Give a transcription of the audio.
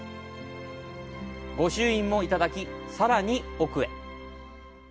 御朱印もいただき、さらに奥へ。